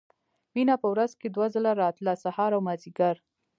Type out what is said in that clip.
مينه په ورځ کښې دوه ځله راتله سهار او مازديګر.